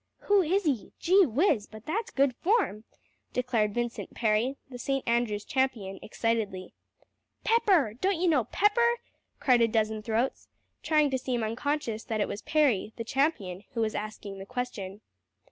"Who is he? Gee Whiz! but that's good form!" declared Vincent Parry, the St. Andrew's champion, excitedly. "Pepper don't you know Pepper?" cried a dozen throats, trying to seem unconscious that it was Parry, the champion, who was asking the question.